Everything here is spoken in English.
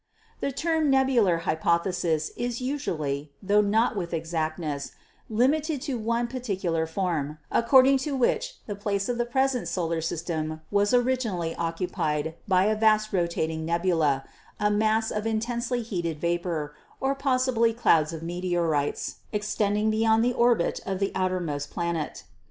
"The term nebular hypothesis is usually, tho not with exactness, limited to one particular form, according to which the place of the present solar system was originally occupied by a vast rotating nebula, a mass of intensely heated vapor, or possibly clouds of meteorites, extending 202 GEOLOGY beyond the orbit of the outermost planet.